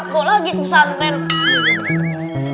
kok lagi kusantan